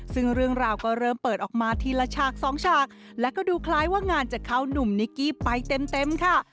ซึ่งเรื่องราวก็เริ่มเปิดออกมาทีละฉากสองฉากและก็ดูคล้ายว่างานจะเข้านุ่มนิกกี้ไปเต็มค่ะ